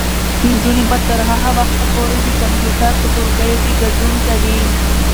نجونې به تر هغه وخته پورې د کمپیوټر په ټولګیو کې ګډون کوي.